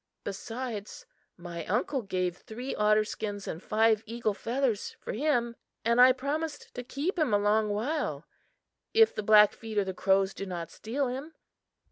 Besides, my uncle gave three otter skins and five eagle feathers for him and I promised to keep him a long while, if the Blackfeet or the Crows do not steal him."